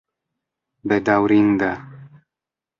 bedaŭrinda